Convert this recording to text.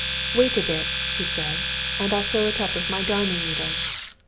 "Wait a bit," said she, "and I'll sew it up with my darning needle."